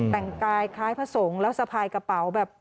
แต่งกายคล้ายพระสงฆ์แล้วสะพายกระเป๋าแบบ